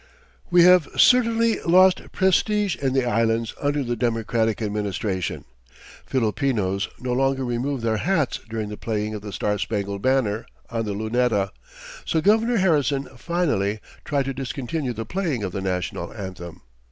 We have certainly lost prestige in the Islands under the Democratic Administration. Filipinos no longer remove their hats during the playing of the Star Spangled Banner on the Luneta, so Governor Harrison finally tried to discontinue the playing of the national anthem.